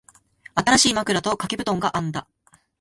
新しい枕と掛け布団があんだ。